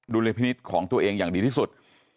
ลพินิษฐ์ของตัวเองอย่างดีที่สุด